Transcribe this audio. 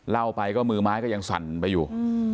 เล่าไปก็มือไม้ก็ยังสั่นไปอยู่